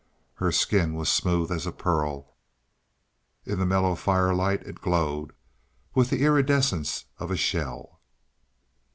Her skin was smooth as a pearl; in the mellow firelight it glowed, with the iridescence of a shell.